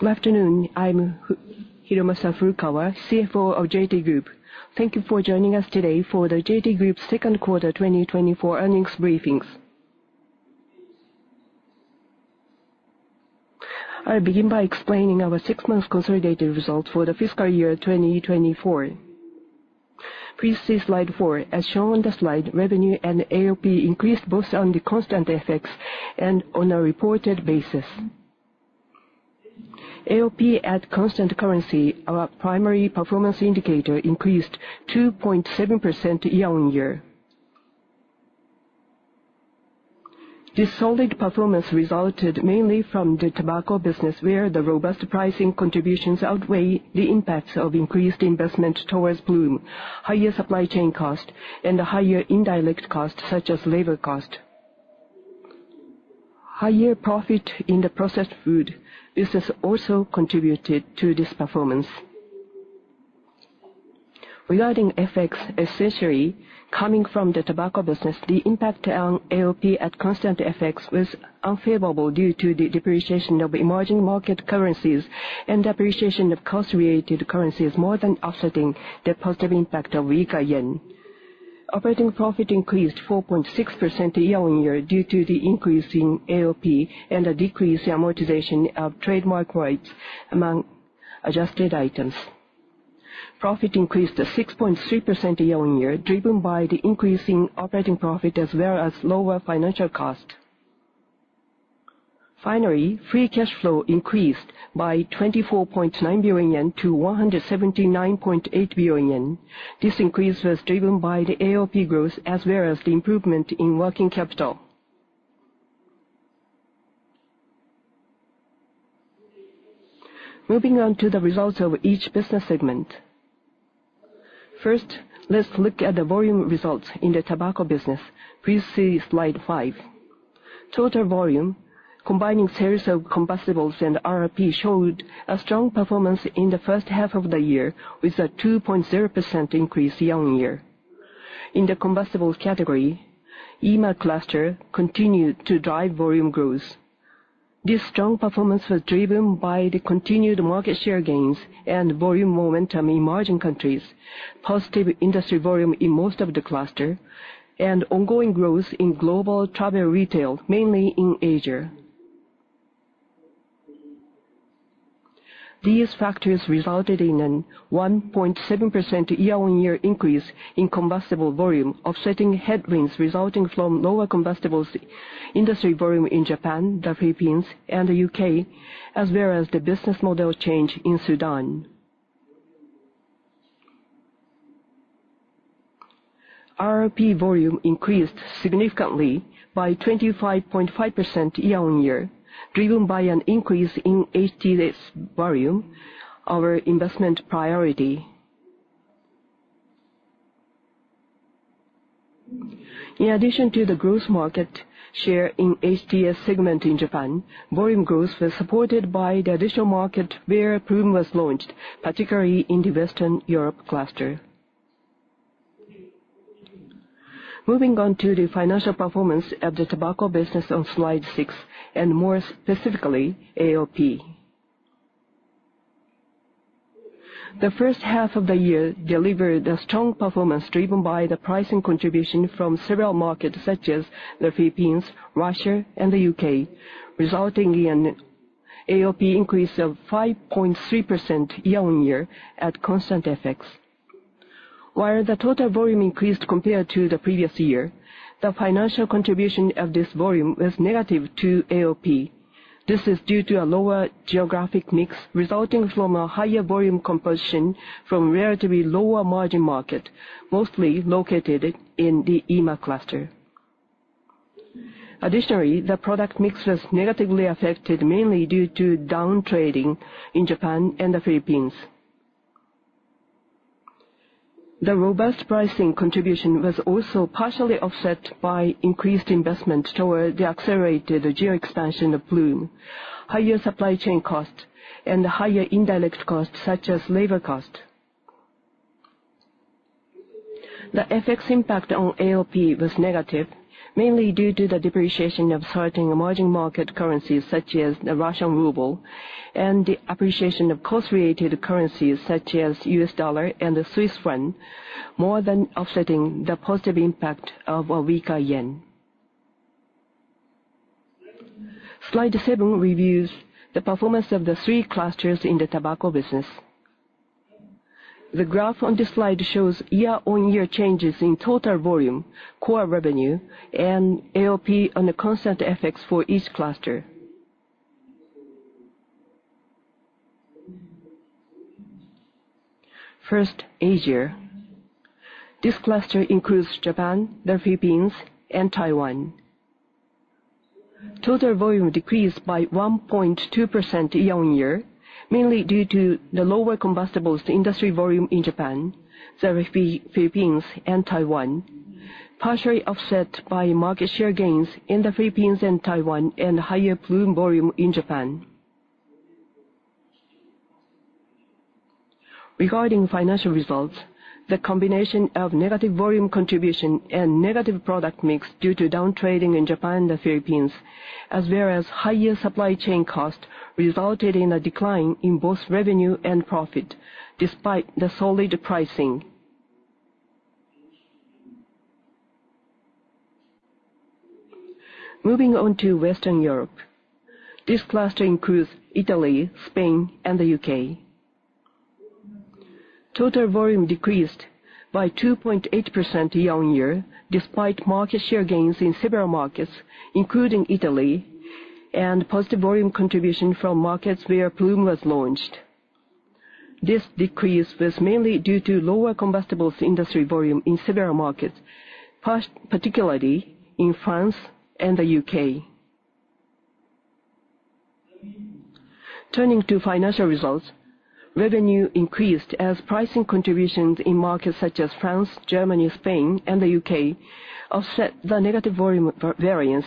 Good afternoon. I'm Hiromasa Furukawa, CFO of JT Group. Thank you for joining us today for the JT Group's second quarter 2024 earnings briefings. I'll begin by explaining our six-month consolidated results for the fiscal year 2024. Please see slide four. As shown on the slide, revenue and AOP increased both on the constant FX and on a reported basis. AOP at constant currency, our primary performance indicator, increased 2.7% year-on-year. This solid performance resulted mainly from the tobacco business, where the robust pricing contributions outweigh the impacts of increased investment towards Ploom, higher supply chain cost, and higher indirect costs such as labor cost. Higher profit in the processed food business also contributed to this performance. Regarding effects essentially coming from the tobacco business, the impact on AOP at constant FX was unfavorable due to the depreciation of emerging market currencies and depreciation of cost-related currencies more than offsetting the positive impact of weaker yen. Operating profit increased 4.6% year-on-year due to the increase in AOP and a decrease in amortization of trademark rights among adjusted items. Profit increased 6.3% year-on-year, driven by the increasing operating profit as well as lower financial cost. Finally, free cash flow increased by 24.9 billion yen to 179.8 billion yen. This increase was driven by the AOP growth as well as the improvement in working capital. Moving on to the results of each business segment. First, let's look at the volume results in the tobacco business. Please see slide five. Total volume, combining sales of combustibles and RRP, showed a strong performance in the first half of the year with a 2.0% increase year-on-year. In the combustibles category, EMA cluster continued to drive volume growth. This strong performance was driven by the continued market share gains and volume momentum in emerging countries, positive industry volume in most of the cluster, and ongoing growth in Global Travel Retail, mainly in Asia. These factors resulted in a 1.7% year-on-year increase in combustible volume, offsetting headwinds resulting from lower combustibles industry volume in Japan, the Philippines, and the U.K., as well as the business model change in Sudan. RRP volume increased significantly by 25.5% year-on-year, driven by an increase in HTS volume, our investment priority. In addition to the gross market share in HTS segment in Japan, volume growth was supported by the additional market where Ploom was launched, particularly in the Western Europe cluster. Moving on to the financial performance of the tobacco business on slide six and more specifically AOP. The first half of the year delivered a strong performance driven by the pricing contribution from several markets such as the Philippines, Russia, and the U.K., resulting in AOP increase of 5.3% year-on-year at constant FX. While the total volume increased compared to the previous year, the financial contribution of this volume was negative to AOP. This is due to a lower geographic mix resulting from a higher volume composition from relatively lower margin market, mostly located in the EMA cluster. Additionally, the product mix was negatively affected mainly due to downtrading in Japan and the Philippines. The robust pricing contribution was also partially offset by increased investment toward the accelerated geo-expansion of Ploom, higher supply chain cost, and higher indirect costs such as labor cost. The effects impact on AOP was negative, mainly due to the depreciation of certain emerging market currencies such as the Russian ruble and the appreciation of cost-related currencies such as U.S. dollar and the Swiss franc, more than offsetting the positive impact of a weaker yen. Slide seven reviews the performance of the three clusters in the tobacco business. The graph on this slide shows year-on-year changes in total volume, core revenue, and AOP on a constant FX for each cluster. First, Asia. This cluster includes Japan, the Philippines, and Taiwan. Total volume decreased by 1.2% year-on-year, mainly due to the lower combustibles industry volume in Japan, the Philippines, and Taiwan, partially offset by market share gains in the Philippines and Taiwan, and higher Ploom volume in Japan. Regarding financial results, the combination of negative volume contribution and negative product mix due to downtrading in Japan and the Philippines, as well as higher supply chain cost, resulted in a decline in both revenue and profit despite the solid pricing. Moving on to Western Europe. This cluster includes Italy, Spain, and the U.K.. Total volume decreased by 2.8% year-on-year despite market share gains in several markets, including Italy, and positive volume contribution from markets where Ploom was launched. This decrease was mainly due to lower combustibles industry volume in several markets, particularly in France and the U.K.. Turning to financial results, revenue increased as pricing contributions in markets such as France, Germany, Spain, and the U.K. offset the negative volume variance.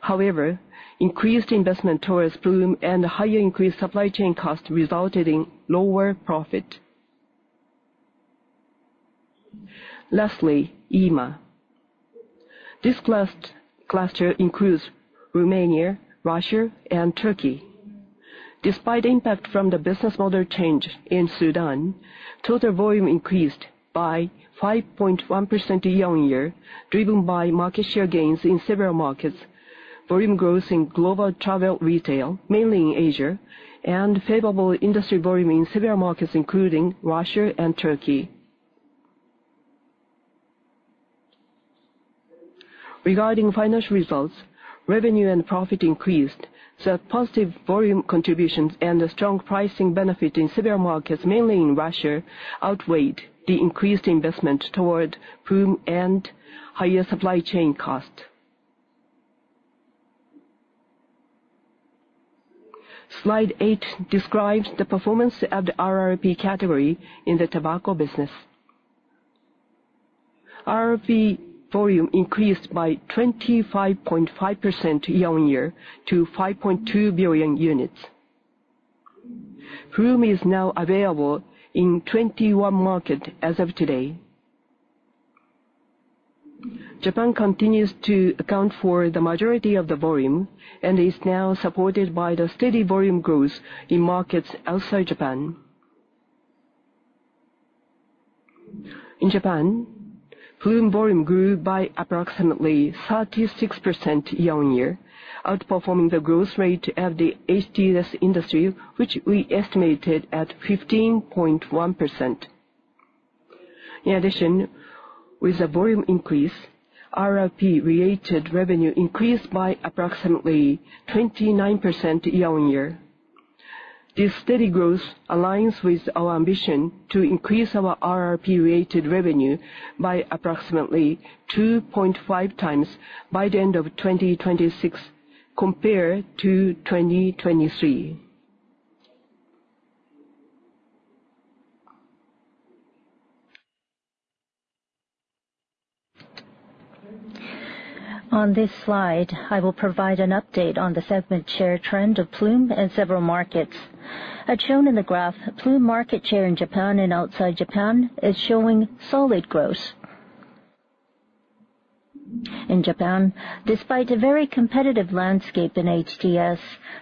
However, increased investment towards Ploom and higher increased supply chain cost resulted in lower profit. Lastly, EMA. This cluster includes Romania, Russia, and Turkey. Despite impact from the business model change in Sudan, total volume increased by 5.1% year-on-year, driven by market share gains in several markets, volume growth in global travel retail, mainly in Asia, and favorable industry volume in several markets including Russia and Turkey. Regarding financial results, revenue and profit increased so that positive volume contributions and the strong pricing benefit in several markets, mainly in Russia, outweighed the increased investment toward Ploom and higher supply chain cost. Slide eight describes the performance of the RRP category in the tobacco business. RRP volume increased by 25.5% year-on-year to 5.2 billion units. Ploom is now available in 21 markets as of today. Japan continues to account for the majority of the volume and is now supported by the steady volume growth in markets outside Japan. In Japan, Ploom volume grew by approximately 36% year-on-year, outperforming the growth rate of the HTS industry, which we estimated at 15.1%. In addition, with the volume increase, RRP-related revenue increased by approximately 29% year-on-year. This steady growth aligns with our ambition to increase our RRP-related revenue by approximately 2.5x by the end of 2026 compared to 2023. On this slide, I will provide an update on the segment share trend of Ploom and several markets. As shown in the graph, Ploom market share in Japan and outside Japan is showing solid growth. In Japan, despite a very competitive landscape in HTS,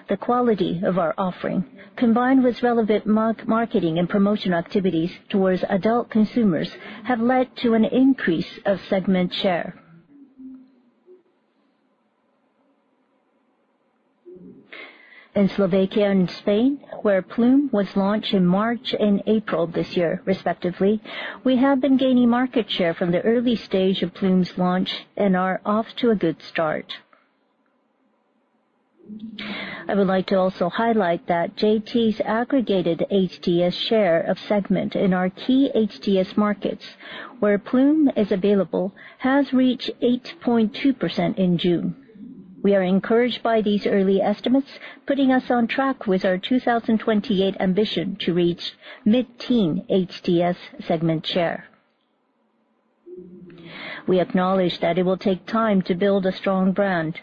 the quality of our offering, combined with relevant marketing and promotion activities towards adult consumers, have led to an increase of segment share. In Slovakia and Spain, where Ploom was launched in March and April this year, respectively, we have been gaining market share from the early stage of Ploom's launch and are off to a good start. I would like to also highlight that JT's aggregated HTS share of segment in our key HTS markets, where Ploom is available, has reached 8.2% in June. We are encouraged by these early estimates, putting us on track with our 2028 ambition to reach mid-teen HTS segment share. We acknowledge that it will take time to build a strong brand,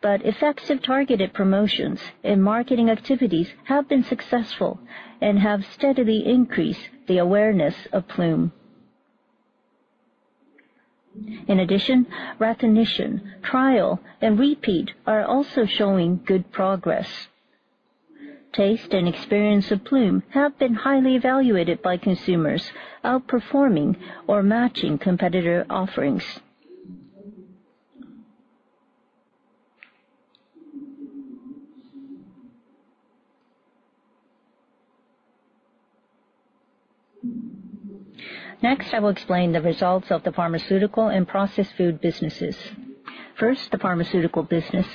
but effective targeted promotions and marketing activities have been successful and have steadily increased the awareness of Ploom. In addition, retention, trial, and repeat are also showing good progress. Taste and experience of Ploom have been highly evaluated by consumers, outperforming or matching competitor offerings. Next, I will explain the results of the pharmaceutical and processed food businesses. First, the pharmaceutical business.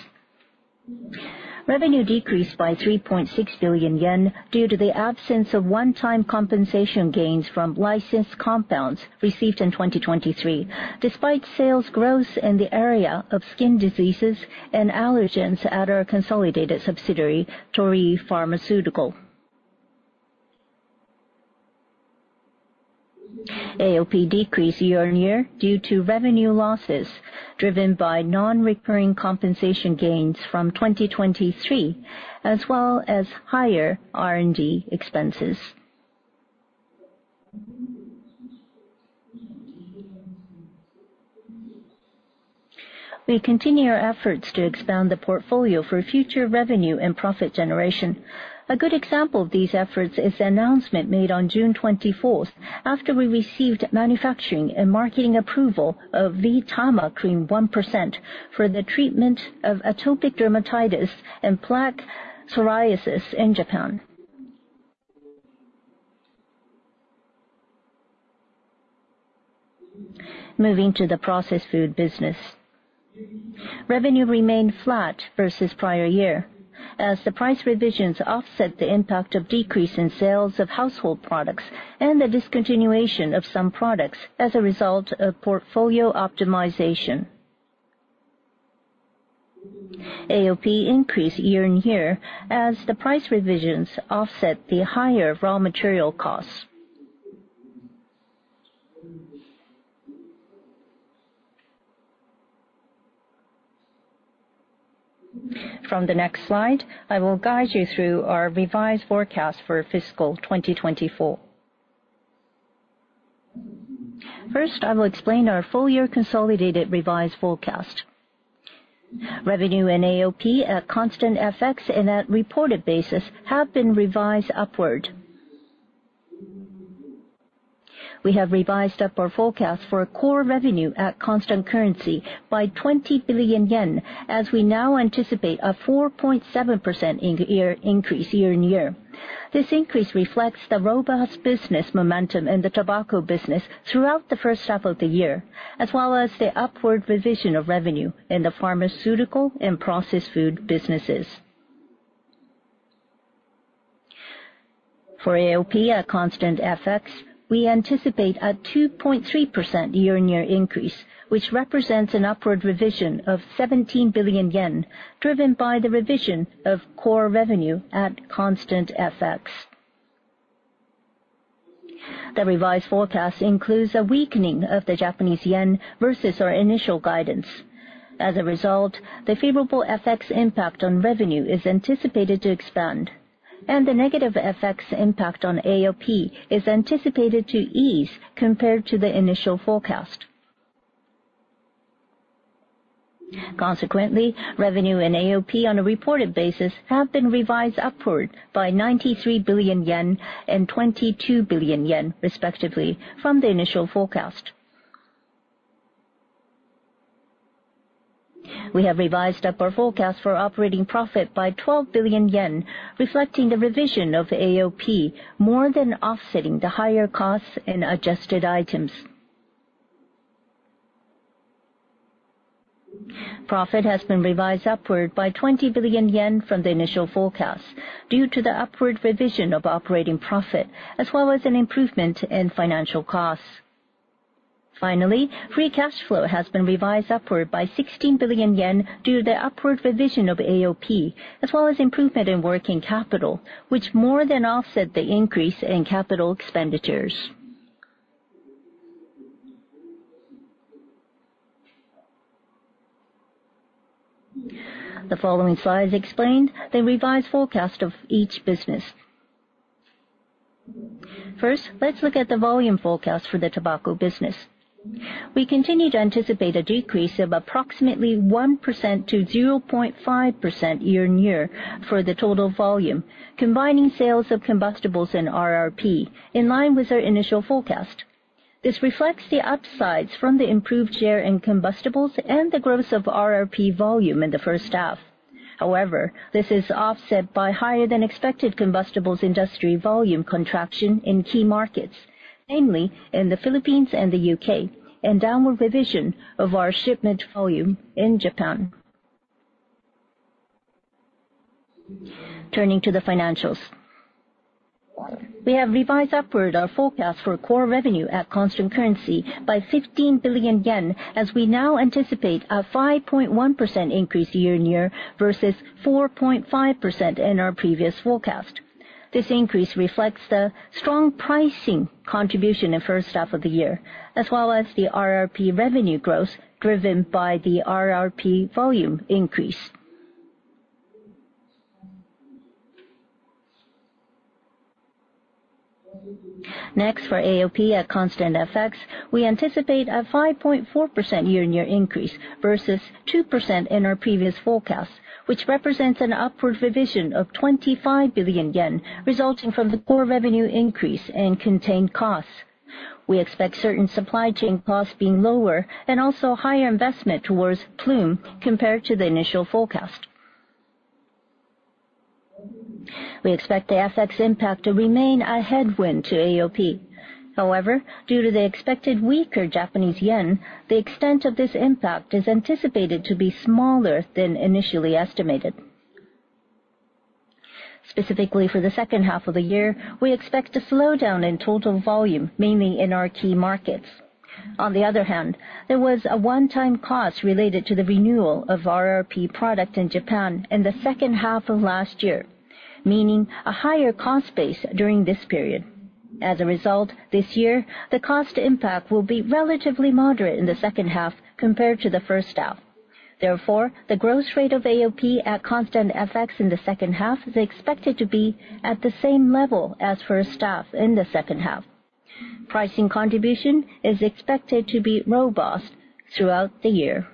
Revenue decreased by 3.6 billion yen due to the absence of one-time compensation gains from licensed compounds received in 2023, despite sales growth in the area of skin diseases and allergens at our consolidated subsidiary, Torii Pharmaceutical. AOP decreased year-on-year due to revenue losses driven by non-recurring compensation gains from 2023, as well as higher R&D expenses. We continue our efforts to expand the portfolio for future revenue and profit generation. A good example of these efforts is the announcement made on June 24th after we received manufacturing and marketing approval of VTAMA Cream 1% for the treatment of atopic dermatitis and plaque psoriasis in Japan. Moving to the processed food business. Revenue remained flat versus prior year as the price revisions offset the impact of decrease in sales of household products and the discontinuation of some products as a result of portfolio optimization. AOP increased year-on-year as the price revisions offset the higher raw material costs. From the next slide, I will guide you through our revised forecast for fiscal 2024. First, I will explain our full year consolidated revised forecast. Revenue and AOP at constant FX and at reported basis have been revised upward. We have revised up our forecast for core revenue at constant currency by 20 billion yen as we now anticipate a 4.7% year increase year-on-year. This increase reflects the robust business momentum in the tobacco business throughout the first half of the year, as well as the upward revision of revenue in the pharmaceutical and processed food businesses. For AOP at constant FX, we anticipate a 2.3% year-on-year increase, which represents an upward revision of 17 billion yen driven by the revision of core revenue at constant FX. The revised forecast includes a weakening of the Japanese yen versus our initial guidance. As a result, the favorable effects impact on revenue is anticipated to expand, and the negative effects impact on AOP is anticipated to ease compared to the initial forecast. Consequently, revenue and AOP on a reported basis have been revised upward by 93 billion yen and 22 billion yen, respectively, from the initial forecast. We have revised up our forecast for operating profit by 12 billion yen, reflecting the revision of AOP more than offsetting the higher costs and adjusted items. Profit has been revised upward by 20 billion yen from the initial forecast due to the upward revision of operating profit, as well as an improvement in financial costs. Finally, free cash flow has been revised upward by 16 billion yen due to the upward revision of AOP, as well as improvement in working capital, which more than offset the increase in capital expenditures. The following slides explain the revised forecast of each business. First, let's look at the volume forecast for the tobacco business. We continue to anticipate a decrease of approximately 1%-0.5% year-on-year for the total volume, combining sales of combustibles and RRP in line with our initial forecast. This reflects the upsides from the improved share in combustibles and the growth of RRP volume in the first half. However, this is offset by higher than expected combustibles industry volume contraction in key markets, namely in the Philippines and the U.K., and downward revision of our shipment volume in Japan. Turning to the financials. We have revised upward our forecast for core revenue at constant currency by 15 billion yen, as we now anticipate a 5.1% increase year-on-year versus 4.5% in our previous forecast. This increase reflects the strong pricing contribution in the first half of the year, as well as the RRP revenue growth driven by the RRP volume increase. Next, for AOP at constant FX, we anticipate a 5.4% year-on-year increase versus 2% in our previous forecast, which represents an upward revision of 25 billion yen resulting from the core revenue increase and contained costs. We expect certain supply chain costs being lower and also higher investment towards Ploom compared to the initial forecast. We expect the effects impact to remain a headwind to AOP. However, due to the expected weaker Japanese yen, the extent of this impact is anticipated to be smaller than initially estimated. Specifically for the second half of the year, we expect a slowdown in total volume, mainly in our key markets. On the other hand, there was a one-time cost related to the renewal of RRP product in Japan in the second half of last year, meaning a higher cost base during this period. As a result, this year, the cost impact will be relatively moderate in the second half compared to the first half. Therefore, the growth rate of AOP at constant FX in the second half is expected to be at the same level as first half in the second half. Pricing contribution is expected to be robust throughout the year.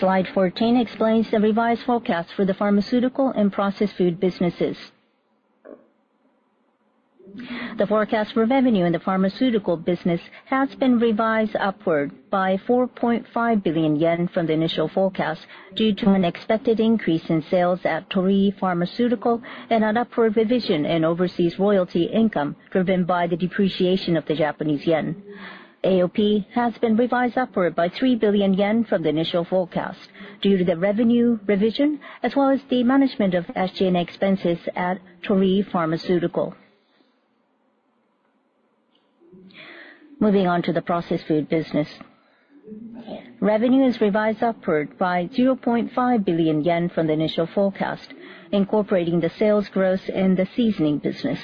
Slide 14 explains the revised forecast for the pharmaceutical and processed food businesses. The forecast for revenue in the pharmaceutical business has been revised upward by 4.5 billion yen from the initial forecast due to an expected increase in sales at Torii Pharmaceutical and an upward revision in overseas royalty income driven by the depreciation of the Japanese yen. AOP has been revised upward by 3 billion yen from the initial forecast due to the revenue revision, as well as the management of SG&A expenses at Torii Pharmaceutical. Moving on to the processed food business. Revenue is revised upward by 0.5 billion yen from the initial forecast, incorporating the sales growth in the seasoning business.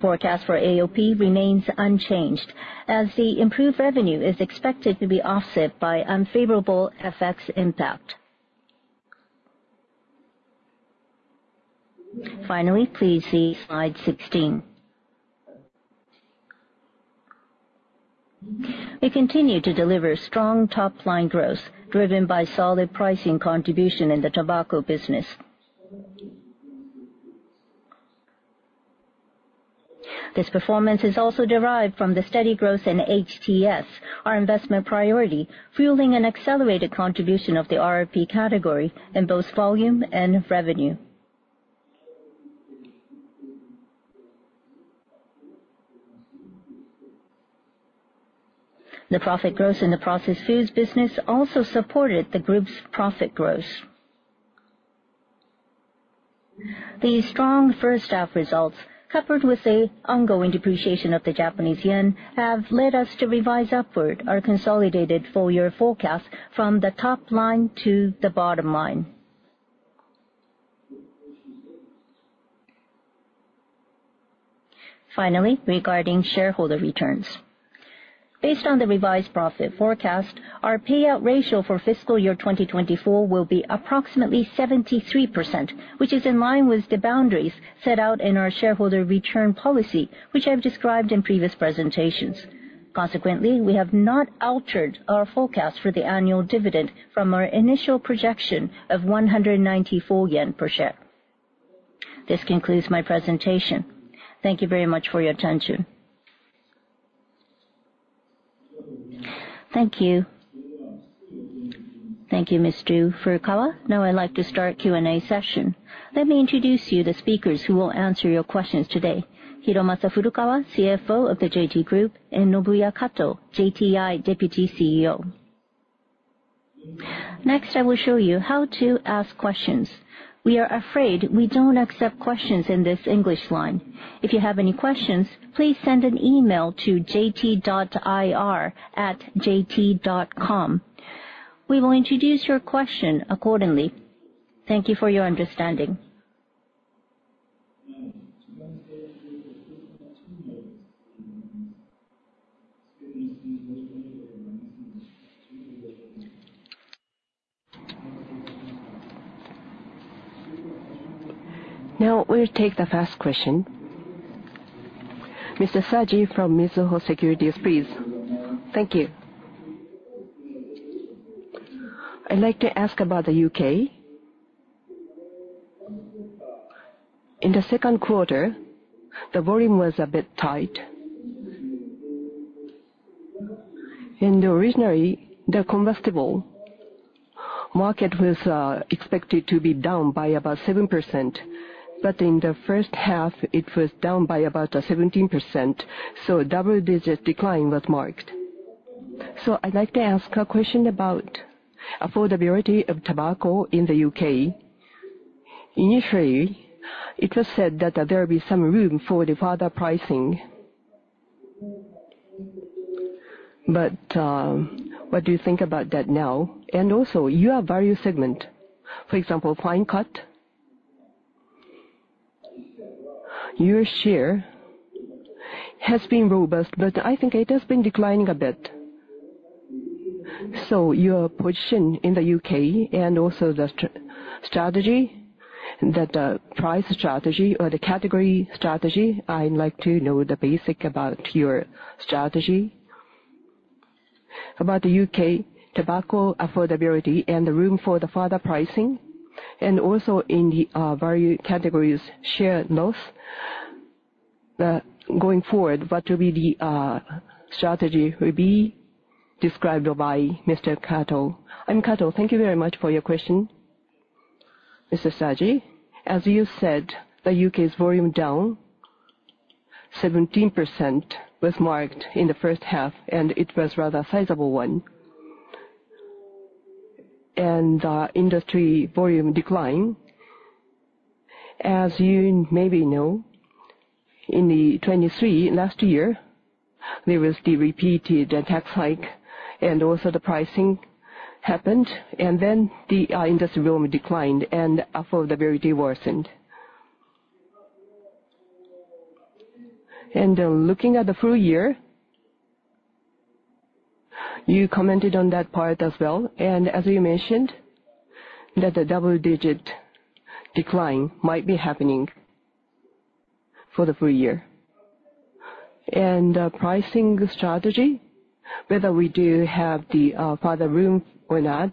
Forecast for AOP remains unchanged as the improved revenue is expected to be offset by unfavorable effects impact. Finally, please see slide 16. We continue to deliver strong top-line growth driven by solid pricing contribution in the tobacco business. This performance is also derived from the steady growth in HTS, our investment priority, fueling an accelerated contribution of the RRP category in both volume and revenue. The profit growth in the processed foods business also supported the group's profit growth. These strong first-half results, coupled with the ongoing depreciation of the Japanese yen, have led us to revise upward our consolidated full year forecast from the top line to the bottom line. Finally, regarding shareholder returns. Based on the revised profit forecast, our payout ratio for fiscal year 2024 will be approximately 73%, which is in line with the boundaries set out in our shareholder return policy, which I've described in previous presentations. Consequently, we have not altered our forecast for the annual dividend from our initial projection of 194 yen per share. This concludes my presentation. Thank you very much for your attention. Thank you. Thank you, Mr. Furukawa. Now I'd like to start Q&A session. Let me introduce you to the speakers who will answer your questions today. Hiromasa Furukawa, CFO of the JT Group, and Nobuya Kato, JTI Deputy CEO. Next, I will show you how to ask questions. We are afraid we don't accept questions in this English line. If you have any questions, please send an email to jt.ir@jt.com. We will introduce your question accordingly. Thank you for your understanding. Now we'll take the first question. Mr. Saji from Mizuho Securities, please. Thank you. I'd like to ask about the U.K.. In the second quarter, the volume was a bit tight. Originally, the combustible market was expected to be down by about 7%, but in the first half, it was down by about 17%, so a double-digit decline was marked. So I'd like to ask a question about affordability of tobacco in the U.K.. Initially, it was said that there would be some room for the further pricing, but what do you think about that now? And also, you have various segments. For example, fine cut. Your share has been robust, but I think it has been declining a bit. So your position in the U.K. and also the strategy, that price strategy or the category strategy, I'd like to know the basic about your strategy about the U.K. tobacco affordability and the room for the further pricing, and also in the various categories, share loss? Going forward, what will be the strategy will be described by Mr. Kato. I'm Kato. Thank you very much for your question. Mr. Saji, as you said, the U.K.'s volume down 17% was marked in the first half, and it was rather a sizable one. The industry volume declined. As you maybe know, in the 2023 last year, there was the repeated tax hike and also the pricing happened, and then the industry volume declined and affordability worsened. Looking at the full year, you commented on that part as well, and as you mentioned, that the double-digit decline might be happening for the full year. The pricing strategy, whether we do have the further room or not,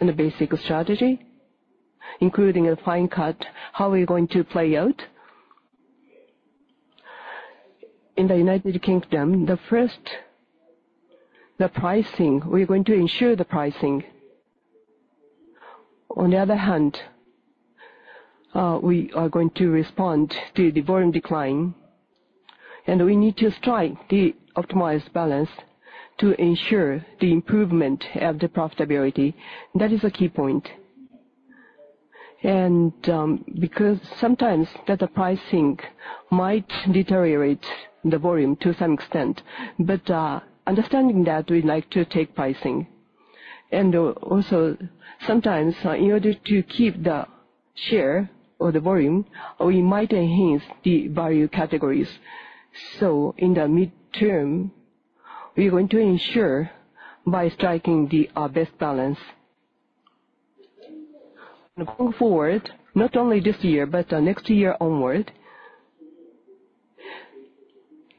and the basic strategy, including a Fine cut, how are we going to play out? In the United Kingdom, the pricing, we're going to ensure the pricing. On the other hand, we are going to respond to the volume decline, and we need to strike the optimized balance to ensure the improvement of the profitability. That is a key point. Because sometimes that the pricing might deteriorate the volume to some extent, but understanding that we'd like to take pricing. Also, sometimes in order to keep the share or the volume, we might enhance the various categories. So in the midterm, we're going to ensure by striking the best balance. Going forward, not only this year, but the next year onward,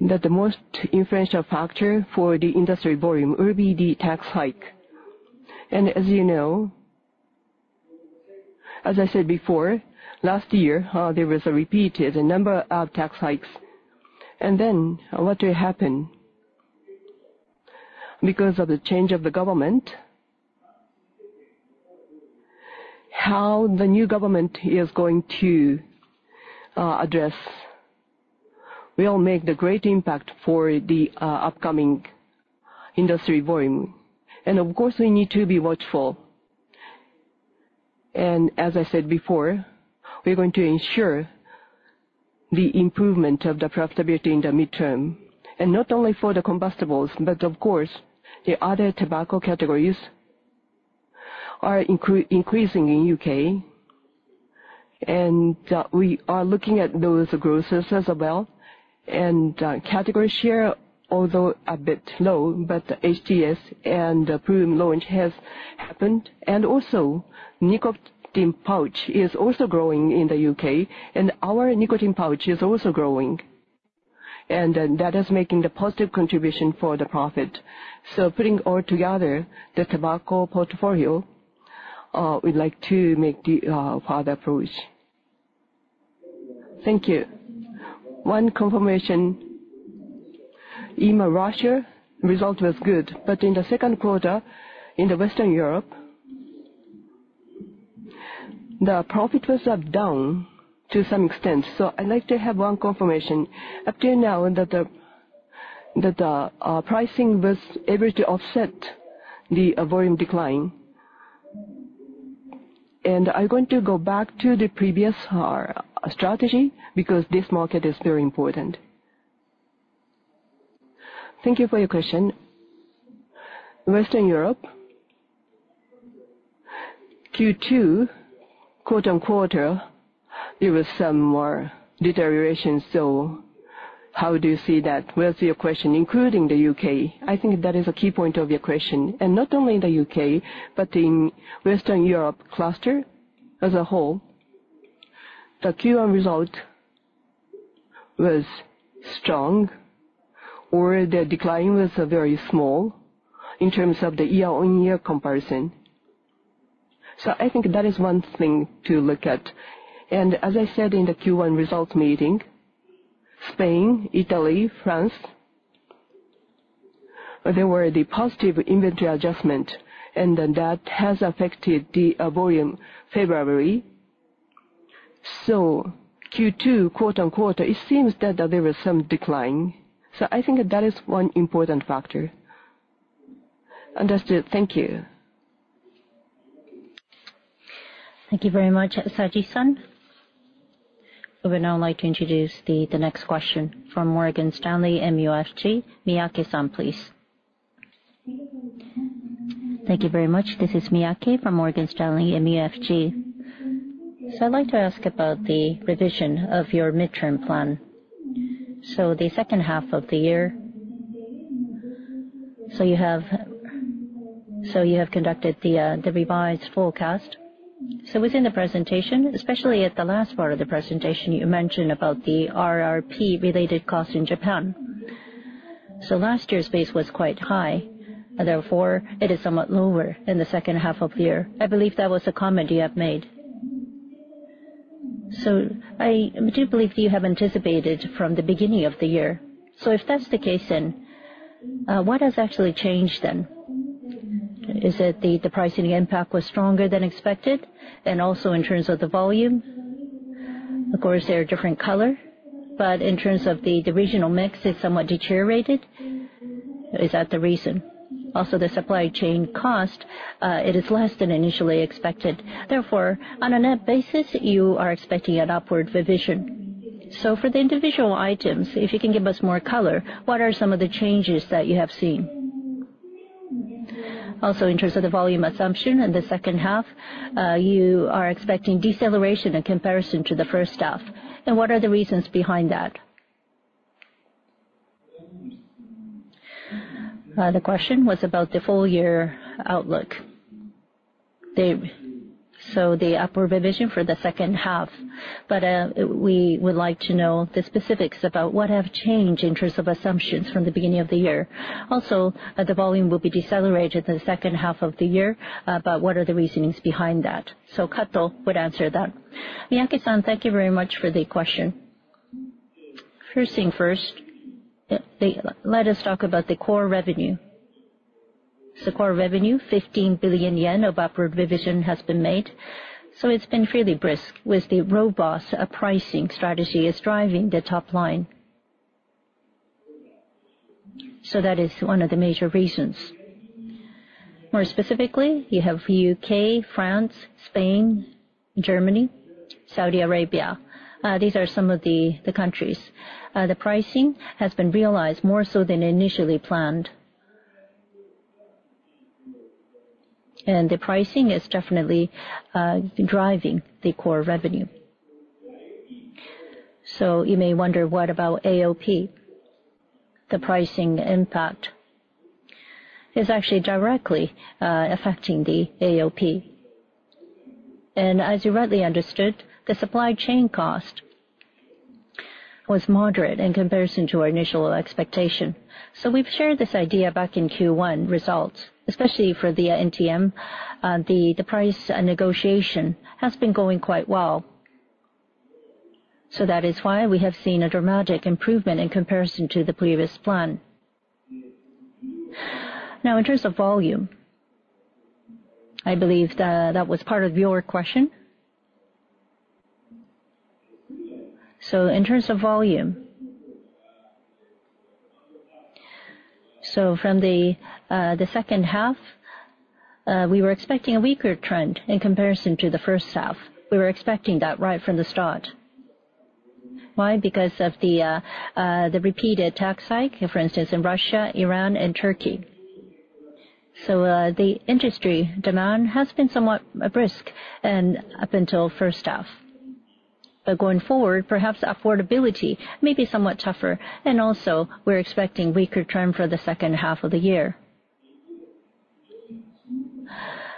that the most influential factor for the industry volume will be the tax hike. And as you know, as I said before, last year, there was a repeated number of tax hikes. And then what will happen because of the change of the government, how the new government is going to address will make the great impact for the upcoming industry volume. And of course, we need to be watchful. And as I said before, we're going to ensure the improvement of the profitability in the midterm, and not only for the combustibles, but of course, the other tobacco categories are increasing in the U.K.. And we are looking at those growths as well. Category share, although a bit low, but HTS and the Ploom launch has happened. Also, nicotine pouch is also growing in the U.K., and our nicotine pouch is also growing. And that is making the positive contribution for the profit. So putting all together, the tobacco portfolio, we'd like to make the further approach. Thank you. One confirmation. In Russia, the result was good, but in the second quarter in Western Europe, the profit was down to some extent. So I'd like to have one confirmation. Up to now, the pricing was able to offset the volume decline. And I'm going to go back to the previous strategy because this market is very important. Thank you for your question. Western Europe, Q2, quarter on quarter, there was some more deterioration. So how do you see that? Where's your question, including the U.K.? I think that is a key point of your question. Not only in the U.K., but in Western Europe cluster as a whole, the Q1 result was strong, or the decline was very small in terms of the year-on-year comparison. So I think that is one thing to look at. And as I said in the Q1 results meeting, Spain, Italy, France, there were the positive inventory adjustment, and that has affected the volume February. So Q2, quarter-on-quarter, it seems that there was some decline. So I think that is one important factor. Understood. Thank you. Thank you very much, Saji-san. We would now like to introduce the next question from Morgan Stanley MUFG. Miyake-san, please. Thank you very much. This is Miyake from Morgan Stanley MUFG. So I'd like to ask about the revision of your midterm plan. So the second half of the year. You have conducted the revised forecast. Within the presentation, especially at the last part of the presentation, you mentioned about the RRP-related cost in Japan. Last year's base was quite high, and therefore, it is somewhat lower in the second half of the year. I believe that was a comment you have made. I do believe you have anticipated from the beginning of the year. If that's the case, then what has actually changed then? Is it the pricing impact was stronger than expected? And also in terms of the volume, of course, they're a different color, but in terms of the regional mix, it's somewhat deteriorated. Is that the reason? Also, the supply chain cost, it is less than initially expected. Therefore, on a net basis, you are expecting an upward revision. So for the individual items, if you can give us more color, what are some of the changes that you have seen? Also, in terms of the volume assumption in the second half, you are expecting deceleration in comparison to the first half. And what are the reasons behind that? The question was about the full year outlook. So the upward revision for the second half, but we would like to know the specifics about what have changed in terms of assumptions from the beginning of the year. Also, the volume will be decelerated in the second half of the year, but what are the reasonings behind that? So Kato would answer that. Miyake-san, thank you very much for the question. First thing first, let us talk about the core revenue. So core revenue, 15 billion yen of upward revision has been made. So it's been fairly brisk with the robust pricing strategy is driving the top line. That is one of the major reasons. More specifically, you have U.K., France, Spain, Germany, Saudi Arabia. These are some of the countries. The pricing has been realized more so than initially planned. The pricing is definitely driving the core revenue. You may wonder, what about AOP? The pricing impact is actually directly affecting the AOP. As you rightly understood, the supply chain cost was moderate in comparison to our initial expectation. We've shared this idea back in Q1 results, especially for the NTM. The price negotiation has been going quite well. That is why we have seen a dramatic improvement in comparison to the previous plan. Now, in terms of volume, I believe that was part of your question. So in terms of volume, so from the second half, we were expecting a weaker trend in comparison to the first half. We were expecting that right from the start. Why? Because of the repeated tax hike, for instance, in Russia, Iran, and Turkey. So the industry demand has been somewhat brisk up until first half. But going forward, perhaps affordability may be somewhat tougher. And also, we're expecting weaker trend for the second half of the year.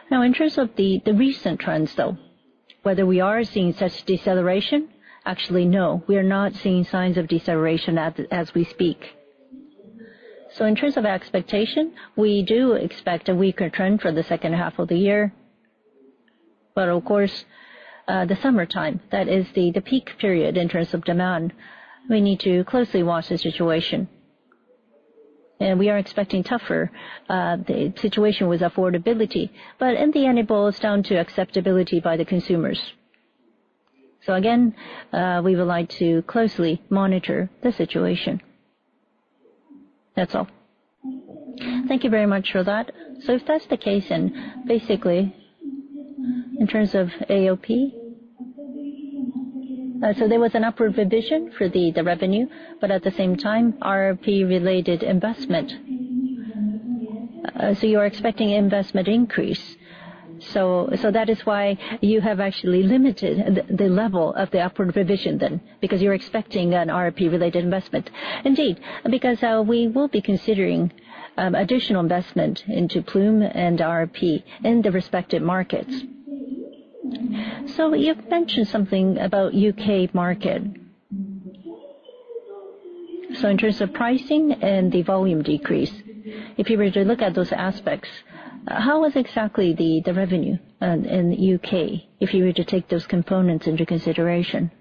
Now, in terms of the recent trends, though, whether we are seeing such deceleration, actually, no, we are not seeing signs of deceleration as we speak. So in terms of expectation, we do expect a weaker trend for the second half of the year. But of course, the summertime, that is the peak period in terms of demand, we need to closely watch the situation. And we are expecting tougher. The situation was affordability, but in the end, it boils down to acceptability by the consumers. So again, we would like to closely monitor the situation. That's all. Thank you very much for that. So if that's the case, then basically, in terms of AOP, so there was an upward revision for the revenue, but at the same time, RRP-related investment. So you are expecting investment increase. So that is why you have actually limited the level of the upward revision then, because you're expecting an RRP-related investment. Indeed, because we will be considering additional investment into Ploom and RRP in the respective markets. So you've mentioned something about U.K. market. So in terms of pricing and the volume decrease, if you were to look at those aspects, how was exactly the revenue in the U.K. if you were to take those components into consideration?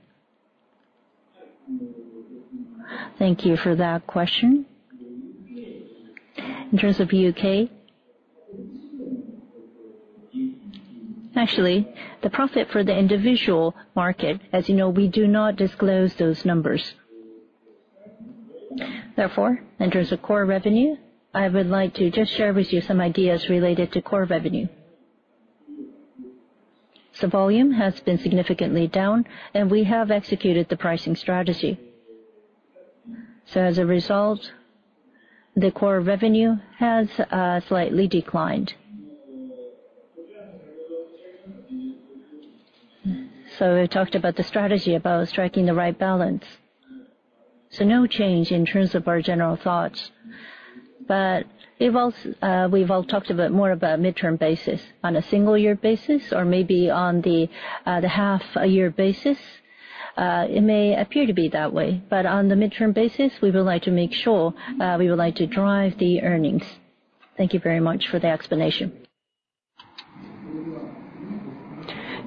Thank you for that question. In terms of U.K., actually, the profit for the individual market, as you know, we do not disclose those numbers. Therefore, in terms of core revenue, I would like to just share with you some ideas related to core revenue. So volume has been significantly down, and we have executed the pricing strategy. So as a result, the core revenue has slightly declined. So we talked about the strategy about striking the right balance. So no change in terms of our general thoughts. But we've all talked a bit more about midterm basis, on a single-year basis, or maybe on the half-a-year basis. It may appear to be that way. But on the midterm basis, we would like to make sure we would like to drive the earnings. Thank you very much for the explanation.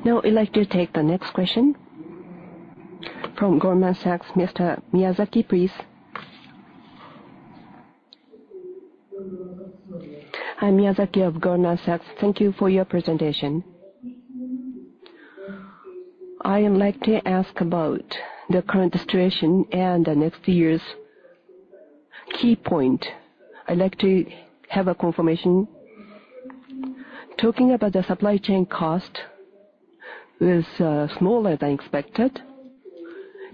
Now, I'd like to take the next question from Goldman Sachs. Mr. Miyazaki, please. I'm Miyazaki of Goldman Sachs. Thank you for your presentation. I'd like to ask about the current situation and the next year's key point. I'd like to have a confirmation. Talking about the supply chain cost was smaller than expected.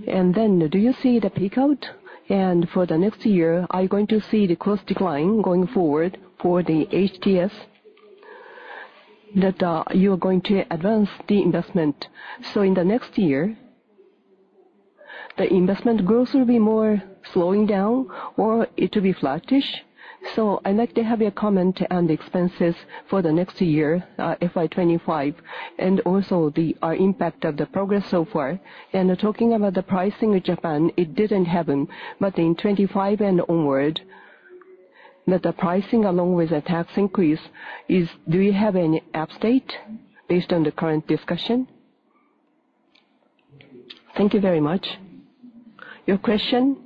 And then do you see the peak out? And for the next year, are you going to see the cost decline going forward for the HTS that you are going to advance the investment? So in the next year, the investment growth will be more slowing down or it will be flattish. So I'd like to have your comment on the expenses for the next year, FY 2025, and also the impact of the progress so far. And talking about the pricing in Japan, it didn't happen, but in 2025 and onward, that the pricing along with the tax increase, do you have any update based on the current discussion? Thank you very much. Your question,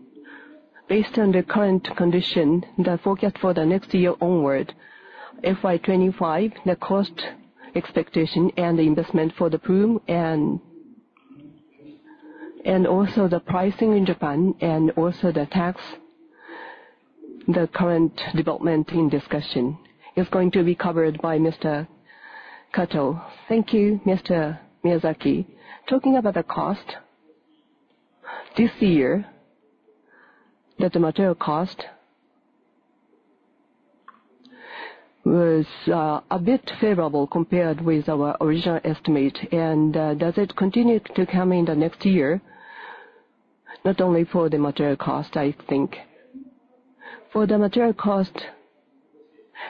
based on the current condition, the forecast for the next year onward, FY 2025, the cost expectation and the investment for the Ploom and also the pricing in Japan and also the tax, the current development in discussion, is going to be covered by Mr. Kato. Thank you, Mr. Miyazaki. Talking about the cost, this year, the material cost was a bit favorable compared with our original estimate. And does it continue to come in the next year? Not only for the material cost, I think. For the material cost,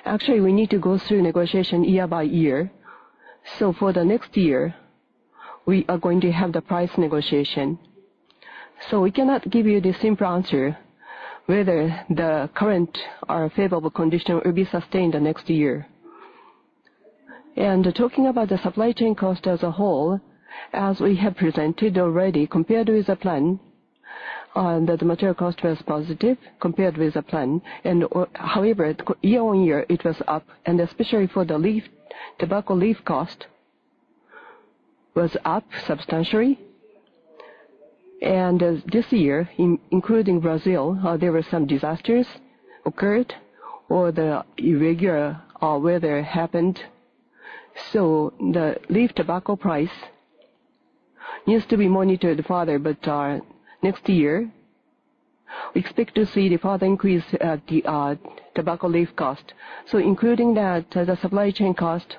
actually, we need to go through negotiation year by year. So for the next year, we are going to have the price negotiation. So we cannot give you the simple answer whether the current or favorable condition will be sustained the next year. And talking about the supply chain cost as a whole, as we have presented already, compared with the plan, that the material cost was positive compared with the plan. And however, year-on-year, it was up, and especially for the tobacco leaf cost was up substantially. And this year, including Brazil, there were some disasters occurred or the irregular weather happened. So the leaf tobacco price needs to be monitored further, but next year, we expect to see the further increase of the tobacco leaf cost. So including that, the supply chain cost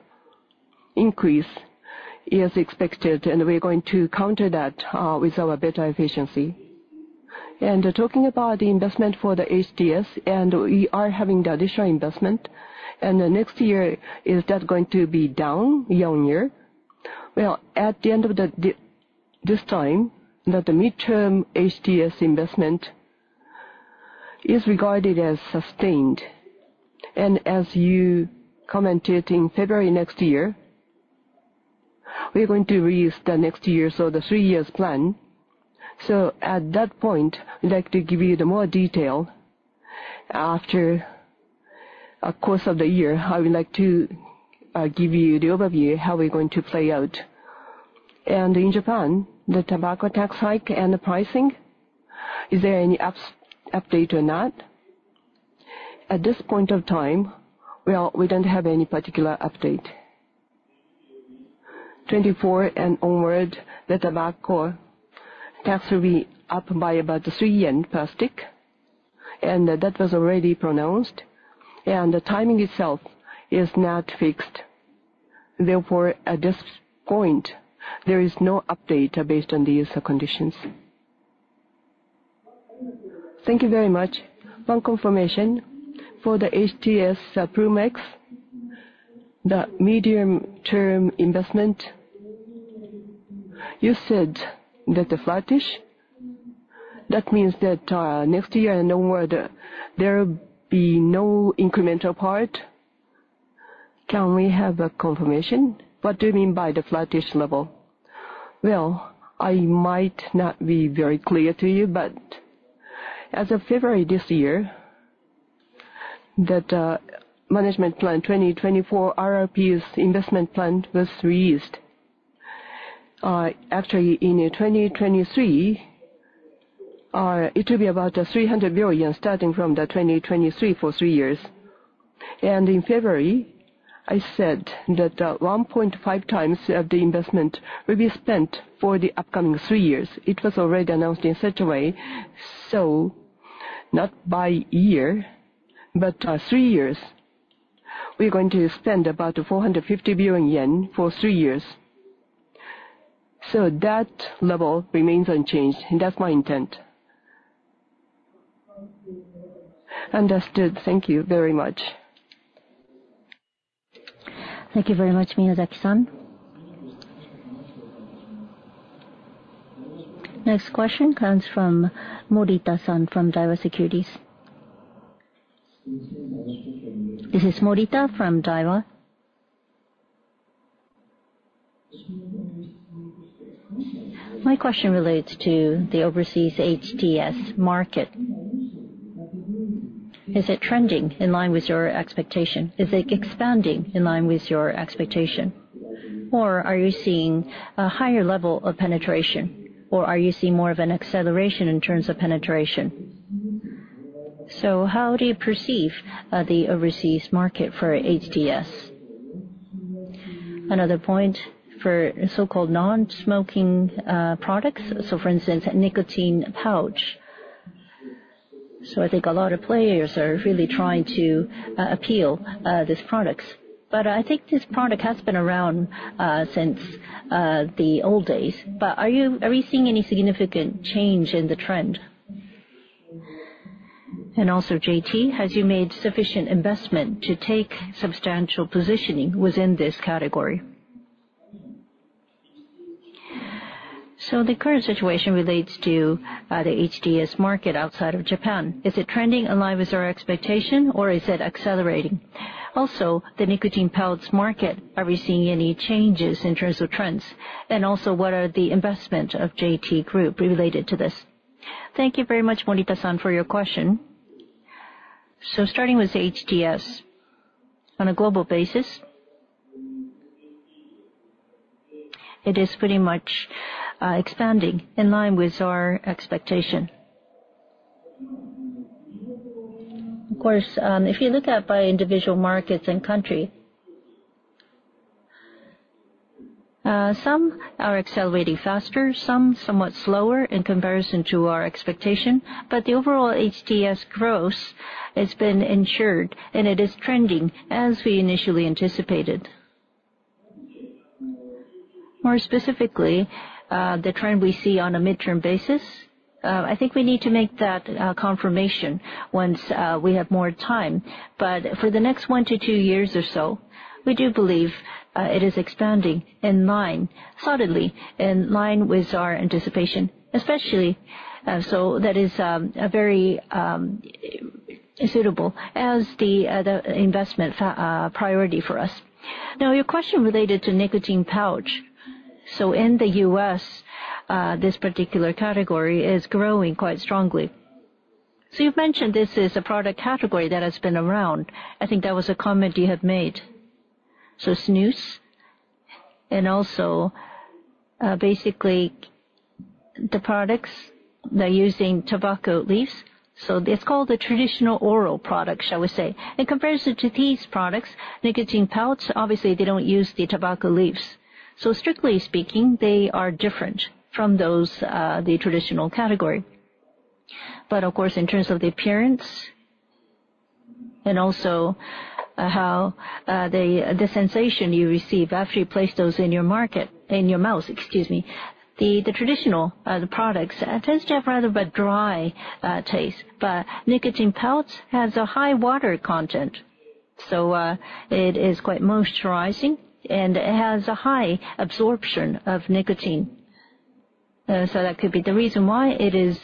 increase is expected, and we're going to counter that with our better efficiency. And talking about the investment for the HTS, and we are having the additional investment, and next year, is that going to be down year-on-year? Well, at the end of this time, that the midterm HTS investment is regarded as sustained. As you commented in February next year, we're going to reach the next year, so the three-year plan. So at that point, I'd like to give you the more detail after a course of the year. I would like to give you the overview, how we're going to play out. And in Japan, the tobacco tax hike and the pricing, is there any update or not? At this point of time, we don't have any particular update. 2024 and onward, the tobacco tax will be up by about 3 yen per stick, and that was already pronounced. And the timing itself is not fixed. Therefore, at this point, there is no update based on these conditions. Thank you very much. One confirmation for the HTS Ploom X, the medium-term investment. You said that the flattish. That means that next year and onward, there will be no incremental part. Can we have a confirmation? What do you mean by the flattish level? Well, I might not be very clear to you, but as of February this year, that management plan, 2024 RRP's investment plan was released. Actually, in 2023, it will be about 300 billion starting from 2023 for three years. And in February, I said that 1.5x of the investment will be spent for the upcoming three years. It was already announced in such a way. So not by year, but three years. We're going to spend about 450 billion yen for three years. So that level remains unchanged. And that's my intent. Understood. Thank you very much. Thank you very much, Miyazaki-san. Next question comes from Morita-san from Daiwa Securities. This is Morita from Daiwa. My question relates to the overseas HTS market. Is it trending in line with your expectation? Is it expanding in line with your expectation? Or are you seeing a higher level of penetration? Or are you seeing more of an acceleration in terms of penetration? So how do you perceive the overseas market for HTS? Another point for so-called non-smoking products, so for instance, nicotine pouch. So I think a lot of players are really trying to appeal these products. But I think this product has been around since the old days. But are we seeing any significant change in the trend? And also, JT, have you made sufficient investment to take substantial positioning within this category? So the current situation relates to the HTS market outside of Japan. Is it trending in line with our expectation, or is it accelerating? Also, the nicotine pouch market, are we seeing any changes in terms of trends? Also, what are the investments of JT Group related to this? Thank you very much, Morita-san, for your question. Starting with HTS, on a global basis, it is pretty much expanding in line with our expectation. Of course, if you look at by individual markets and country, some are accelerating faster, some somewhat slower in comparison to our expectation. The overall HTS growth has been ensured, and it is trending as we initially anticipated. More specifically, the trend we see on a midterm basis, I think we need to make that confirmation once we have more time. For the next 1-2 years or so, we do believe it is expanding in line, solidly in line with our anticipation, especially so that is very suitable as the investment priority for us. Now, your question related to nicotine pouch. So in the U.S., this particular category is growing quite strongly. So you've mentioned this is a product category that has been around. I think that was a comment you had made. So snus and also basically the products they're using tobacco leaves. So it's called a traditional oral product, shall we say. In comparison to these products, nicotine pouch, obviously, they don't use the tobacco leaves. So strictly speaking, they are different from the traditional category. But of course, in terms of the appearance and also how the sensation you receive after you place those in your mouth, excuse me, the traditional products tend to have rather of a dry taste. But nicotine pouch has a high water content. So it is quite moisturizing, and it has a high absorption of nicotine. So that could be the reason why it is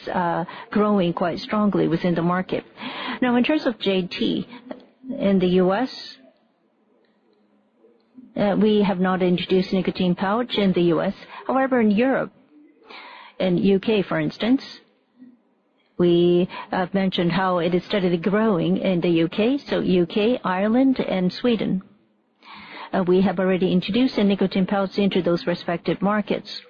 growing quite strongly within the market. Now, in terms of JT, in the U.S., we have not introduced nicotine pouch in the U.S. However, in Europe, in the U.K., for instance, we have mentioned how it is steadily growing in the U.K. So U.K., Ireland, and Sweden. We have already introduced nicotine pouch into those respective markets.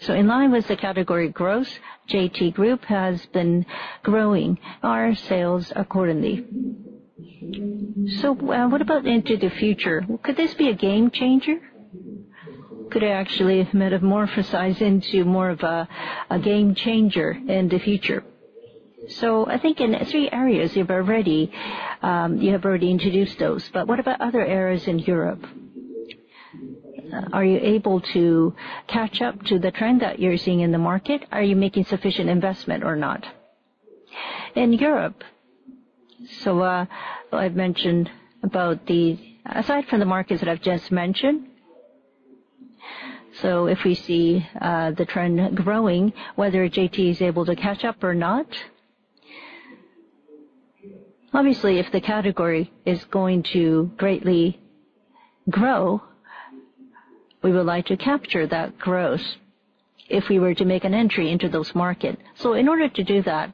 So in line with the category growth, JT Group has been growing our sales accordingly. So what about into the future? Could this be a game changer? Could it actually metamorphose into more of a game changer in the future? So I think in three areas, you have already introduced those. But what about other areas in Europe? Are you able to catch up to the trend that you're seeing in the market? Are you making sufficient investment or not? In Europe, so I've mentioned about the aside from the markets that I've just mentioned. So if we see the trend growing, whether JT is able to catch up or not, obviously, if the category is going to greatly grow, we would like to capture that growth if we were to make an entry into those markets. So in order to do that,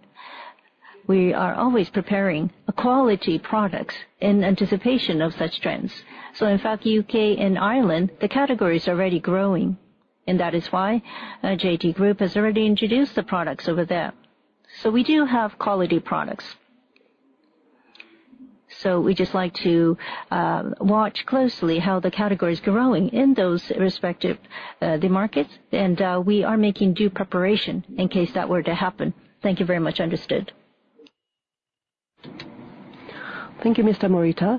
we are always preparing quality products in anticipation of such trends. So in fact, U.K. and Ireland, the category is already growing. And that is why JT Group has already introduced the products over there. So we do have quality products. So we just like to watch closely how the category is growing in those respective markets. And we are making due preparation in case that were to happen. Thank you very much. Understood. Thank you, Mr. Morita.